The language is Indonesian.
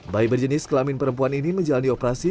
bayi berjenis kelamin perempuan ini menjalani operasi